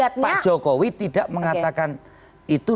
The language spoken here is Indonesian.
tapi pak jokowi tidak mengatakan itu